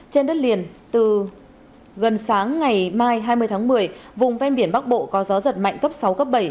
trên đất liền từ gần sáng ngày mai hai mươi tháng một mươi vùng ven biển bắc bộ có gió giật mạnh cấp sáu cấp bảy